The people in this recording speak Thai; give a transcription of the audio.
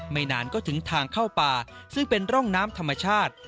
ไม่นานก็ถึงทางเข้าป่าซึ่งเป็นร่องน้ำธรรมชาติ